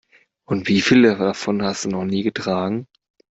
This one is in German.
Und wie viele davon hast du noch nie getragen?